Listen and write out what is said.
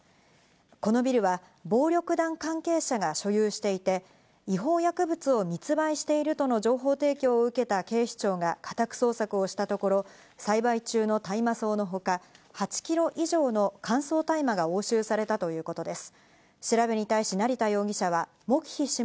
このビルは暴力団関係者が所有していて、違法薬物を密売しているとの情報提供を受けた警視庁が家宅捜索をしたところ、栽培中の大麻草のほか、８キロ以上の乾燥大麻が押収されたということです。